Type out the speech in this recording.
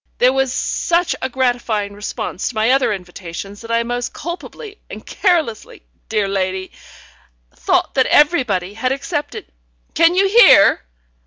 There was such a gratifying response to my other invitations that I most culpably and carelessly, dear lady, thought that everybody had accepted. Can you hear?"